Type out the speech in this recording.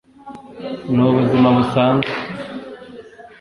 ni ubuzima busanzwe